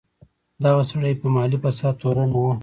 دغه سړی په مالي فساد تورن و.